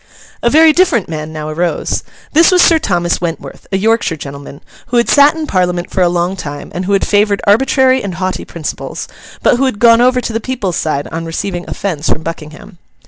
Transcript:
A very different man now arose. This was Sir Thomas Wentworth, a Yorkshire gentleman, who had sat in Parliament for a long time, and who had favoured arbitrary and haughty principles, but who had gone over to the people's side on receiving offence from Buckingham.